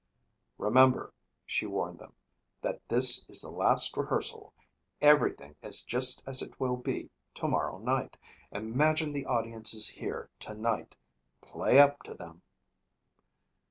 "Remember," she warned them, "that this is the last rehearsal. Everything is just as it will be tomorrow night. Imagine the audience is here tonight. Play up to them."